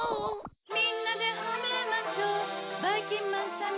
みんなでほめましょばいきんまんさんの